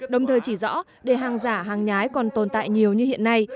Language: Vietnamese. đồng thời chỉ rõ để hàng giả hàng nhái còn tồn tại nhiều như hiện nay